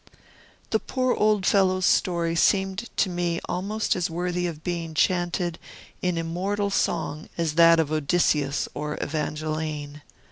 The poor old fellow's story seemed to me almost as worthy of being chanted in immortal song as that of Odysseus or Evangeline.